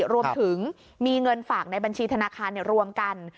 รวมถึงมีเงินฝากในบัญชีธนาคารรวมกัน